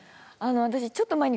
私ちょっと前に。